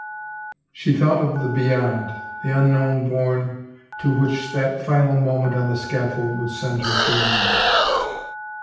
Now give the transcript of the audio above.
She thought of the beyond, the unknown bourne to which that final moment on the scaffold would send her journeying.